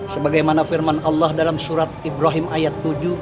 sebagai mana firman allah dalam surat ibrahim ayat tujuh